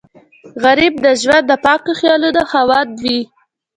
غریب د ژوند د پاکو خیالونو خاوند وي